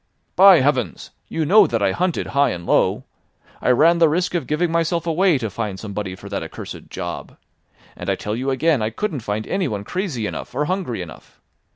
"By heavens! You know that I hunted high and low. I ran the risk of giving myself away to find somebody for that accursed job. And I tell you again I couldn't find anyone crazy enough or hungry enough.